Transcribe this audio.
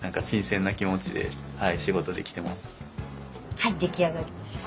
はい出来上がりました。